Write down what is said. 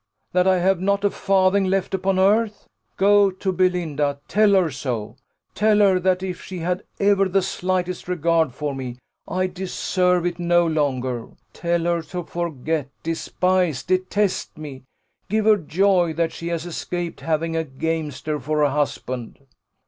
that I have not a farthing left upon earth? Go to Belinda; tell her so: tell her, that if she had ever the slightest regard for me, I deserve it no longer. Tell her to forget, despise, detest me. Give her joy that she has escaped having a gamester for a husband."